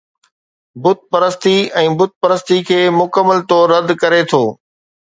بت پرستي ۽ بت پرستي کي مڪمل طور رد ڪري ٿو